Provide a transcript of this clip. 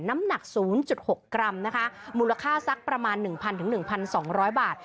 น้ำหนัก๐๖กรัมนะคะมูลค่าสักประมาณ๑๐๐๑๒๐๐บาท